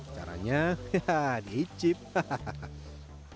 caranya juga harus cepat ya